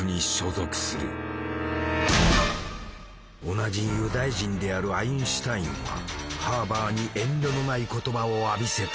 同じユダヤ人であるアインシュタインはハーバーに遠慮のない言葉を浴びせた。